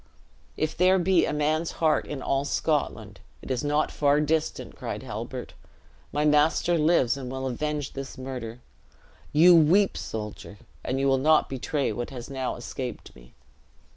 "If there be a man's heart in all Scotland, it is not far distant!" cried Halbert. "My master lives, and will avenge this murder. You weep, soldier; and you will not betray what has now escaped me."